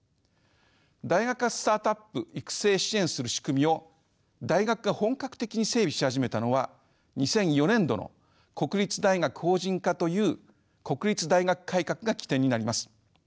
大学からスタートアップ育成支援する仕組みを大学が本格的に整備し始めたのは２００４年度の国立大学法人化という国立大学改革が起点になります。